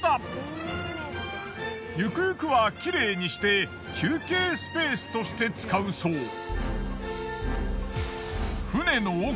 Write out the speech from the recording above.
ゆくゆくはきれいにして休憩スペースとして使うそう。